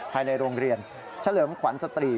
ภายในโรงเรียนเฉลิมขวัญสตรี